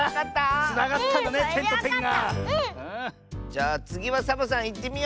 じゃあつぎはサボさんいってみよう！